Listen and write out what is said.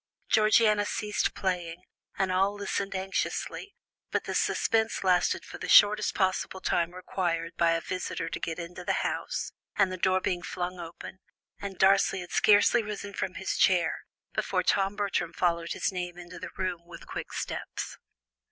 Georgiana ceased playing, and all listened anxiously, but the suspense lasted for the shortest possible time required by a visitor to get into the house, and on the door being flung open, Darcy had scarcely risen from his chair, before Tom Bertram followed his name into the room with quick steps.